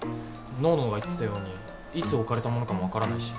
ノーノが言ってたようにいつ置かれたものかも分からないし。